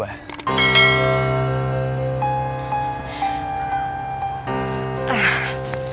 gak ada maksud apa apa